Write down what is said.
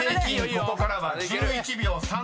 ここからは１１秒３使えます］